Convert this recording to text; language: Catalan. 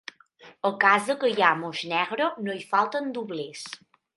A casa que hi ha moix negre no hi falten doblers.